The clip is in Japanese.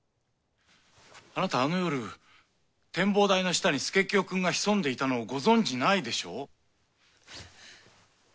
あなたあの夜展望台の下に佐清くんが潜んでいたのをご存じないでしょう？